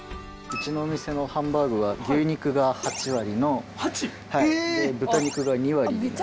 うちのお店のハンバーグは牛肉が８割の豚肉が２割になるので。